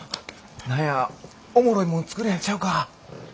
何やおもろいもん作れるんちゃうか？